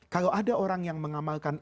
kalau ada orang yang mengamalkan